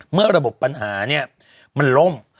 เมื่อระบบปัญหาเนี่ยมันล่ม